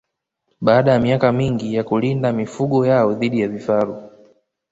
Baada ya miaka mingi ya kulinda mifugo yao dhidi ya vifaru